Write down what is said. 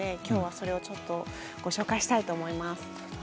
今日はそれをご紹介したいと思います。